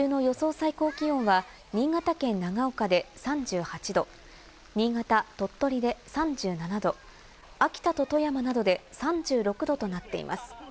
最高気温は新潟県・長岡で３８度、新潟、鳥取で３７度、秋田と富山などで３６度となっています。